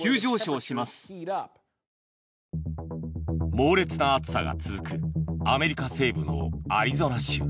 猛烈な暑さが続くアメリカ西部のアリゾナ州。